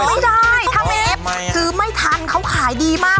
ไม่ได้ถ้ามีเอฟคือไม่ทันเพราะเขาขายดีมาก